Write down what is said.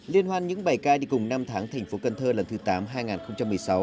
liên hoan những bài ca đi cùng năm tháng thành phố cần thơ lần thứ tám hai nghìn một mươi sáu